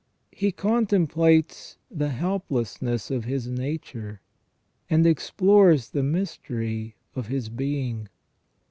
He contemplates the helplessness of his nature, and explores the mystery of his being.